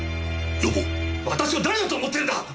私を誰だと思ってるんだ！